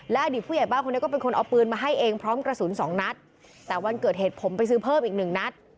อดีตผู้ใหญ่บ้านคนนี้ก็เป็นคนเอาปืนมาให้เองพร้อมกระสุนสองนัดแต่วันเกิดเหตุผมไปซื้อเพิ่มอีกหนึ่งนัด